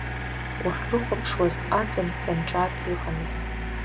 Уахьрыхәаԥшуаз, аҵан кьанҿаак иҟамызт.